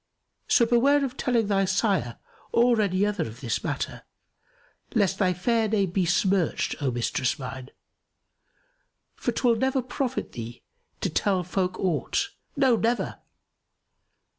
So beware of telling thy sire or any other of this matter, lest thy fair fame be smirched, O mistress mine, for 'twill never profit thee to tell folk aught; no, never!